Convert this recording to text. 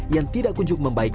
yang tidak kunjung membaik